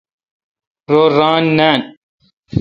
رو ران نان۔